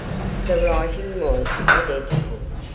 The writing was identical.